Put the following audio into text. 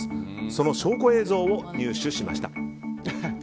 その証拠映像を入手しました。